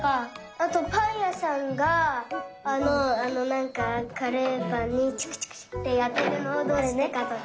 あとパンやさんがあのあのなんかカレーパンにチクチクチクってやってるのはどうしてかとか。